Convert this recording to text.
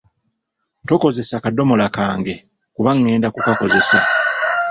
Tokozesa kadomola kange kuba ngenda kukakozesa.